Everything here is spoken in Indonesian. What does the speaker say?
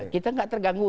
kita nggak terganggu